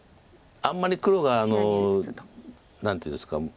あんまり黒が何ていうんですか。